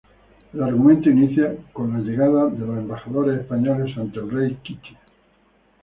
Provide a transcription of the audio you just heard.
El argumento inicia con la llegada de los embajadores españoles ante el rey K'iche'.